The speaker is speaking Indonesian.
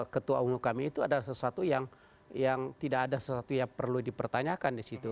ketua umum kami itu adalah sesuatu yang tidak ada sesuatu yang perlu dipertanyakan di situ